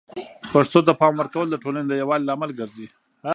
پښتو ته د پام ورکول د ټولنې د یووالي لامل ګرځي.